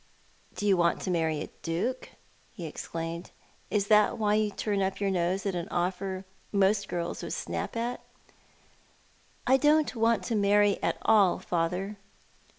" Do you want to marry a duke ?" he exclaimed. " Is that why you turn up your nose at an offer most girls would snap at?" " I don't want to marry at all, father."